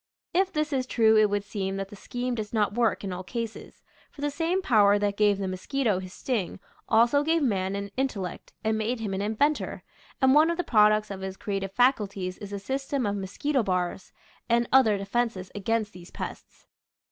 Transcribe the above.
If this is true it would seem that the scheme does not work in all cases, for the same power that gave the mosquito his sting also gave man an in tellect and made him an inventor, and one of the products of his creative faculties is a sys tem of mosquito bars and other defenses against these pests.